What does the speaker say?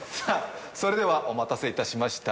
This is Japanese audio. それではお待たせいたしました。